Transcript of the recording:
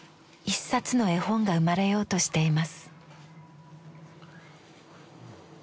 一冊の絵本が生まれようとしています。